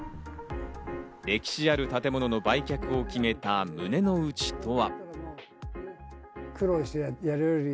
歴史ある建物の売却を決めた胸の内とは。